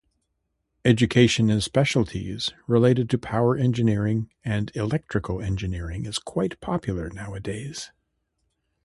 Education in specialties related to power engineering and electrical engineering is quite popular nowadays.